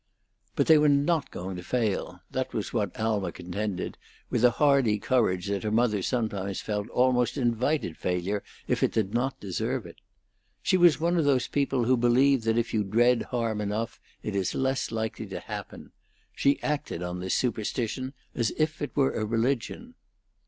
But they were not going to fail; that was what Alma contended, with a hardy courage that her mother sometimes felt almost invited failure, if it did not deserve it. She was one of those people who believe that if you dread harm enough it is less likely to happen. She acted on this superstition as if it were a religion.